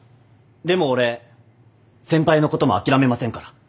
でも俺先輩のことも諦めませんから。